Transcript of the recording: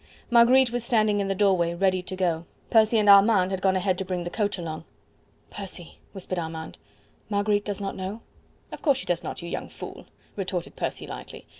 Marguerite was standing in the doorway ready to go. Percy and Armand had gone ahead to bring the coach along. "Percy," whispered Armand, "Marguerite does not know?" "Of course she does not, you young fool," retorted Percy lightly.